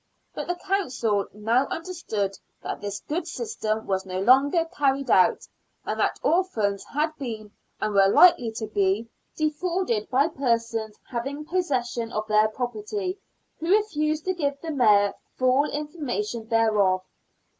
But the Council now understood that this good system was no longer carried out, and that orphans had been, and were hkely to be, defrauded by persons having possession of their property, who refused to give the Mayor full information thereof.